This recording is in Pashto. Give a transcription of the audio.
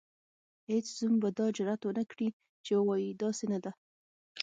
هیڅ زوم به دا جرئت ونکړي چې ووايي داسې نه ده.